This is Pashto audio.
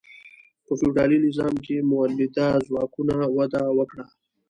په فیوډالي نظام کې مؤلده ځواکونه وده وکړه.